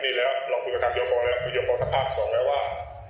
นี่แหละเราคุยกับทางรัฐการยอมปอนด์รัฐภาคส่งแล้วว่า